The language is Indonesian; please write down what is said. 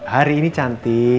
hari ini cantik